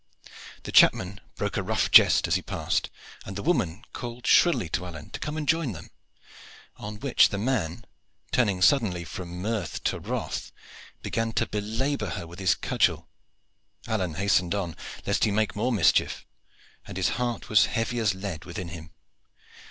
The chapman broke a rough jest as he passed, and the woman called shrilly to Alleyne to come and join them, on which the man, turning suddenly from mirth to wrath, began to belabor her with his cudgel. Alleyne hastened on, lest he make more mischief, and his heart was heavy as lead within him.